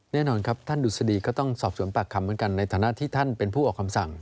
แน่นอนครับท่านดุษฎีก็ต้องสอบสวนปากคำเหมือนกันในฐานะที่ท่านเป็นผู้ออกคำสั่ง